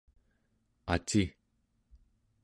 aci